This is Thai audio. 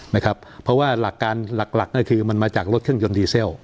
นะครับเพราะว่าหลักการหลักหลักก็คือมันมาจากรถเครื่องยนต์ดีเซล